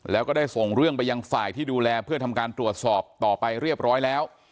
แล้วก็ได้ส่งเรื่องไปยังฝ่ายที่ดูแลเพื่อทำการตรวจสอบต่อไปเรียบร้อยแล้ว